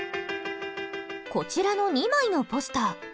こちらの２枚のポスター。